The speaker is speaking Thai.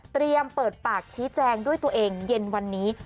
เปิดปากชี้แจงด้วยตัวเองเย็นวันนี้